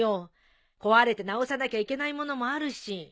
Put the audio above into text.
壊れて直さなきゃいけないものもあるし。